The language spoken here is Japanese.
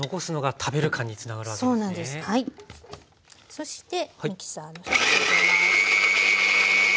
そしてミキサーのスイッチを入れます。